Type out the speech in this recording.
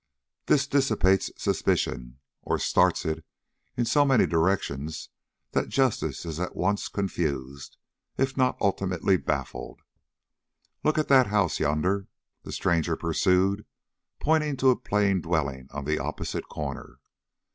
This dissipates suspicion, or starts it in so many directions that justice is at once confused, if not ultimately baffled. Look at that house yonder," the stranger pursued, pointing to a plain dwelling on the opposite corner.